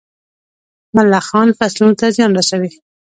ملخان فصلونو ته زیان رسوي.